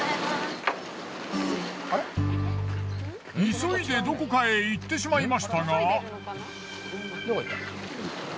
急いでどこかへ行ってしまいましたが。